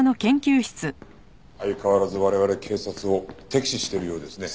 相変わらず我々警察を敵視してるようですね。